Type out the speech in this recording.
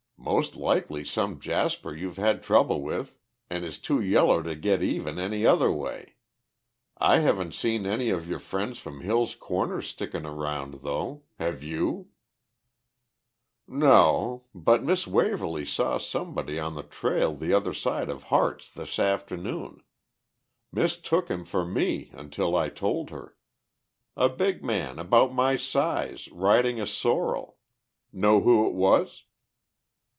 "Most likely some jasper you've had trouble with an' is too yeller to get even any other way. I haven't seen any of your friends from Hill's Corners stickin' around though. Have you?" "No. But Miss Waverly saw somebody on the trail the other side of Harte's this afternoon. Mistook him for me until I told her. A big man about my size riding a sorrel. Know who it was?"